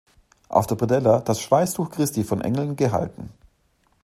Auf der Predella das Schweißtuch Christi von Engeln gehalten.